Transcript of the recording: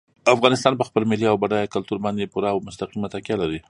افغانستان په خپل ملي او بډایه کلتور باندې پوره او مستقیمه تکیه لري.